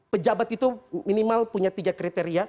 pejabat itu minimal punya tiga kriteria